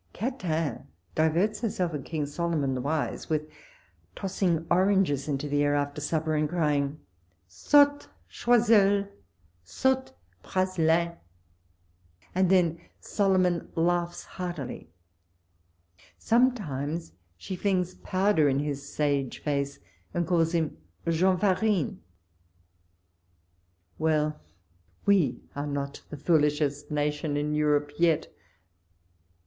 Catin diverts herself and King Solomon the wise with tossing oranges into the air after supper, and crying, ''Saute, Choiscul! saute, Praslin!" and then Solo mon laughs heartily. Sometimes she tlings pow der in his sage face, and calls him Jean Farinc! Well ! we are not the foolishest nation in Europe yet